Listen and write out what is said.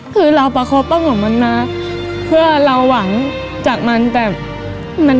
คือเราประคบต้องของมันมาเพื่อเราหวังจากมันแต่มันก็ไม่ได้ทั้งหวัง